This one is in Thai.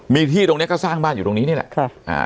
มีที่ตรงเนี้ยก็สร้างบ้านอยู่ตรงนี้นี่แหละค่ะอ่า